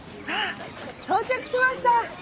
さあ到着しました。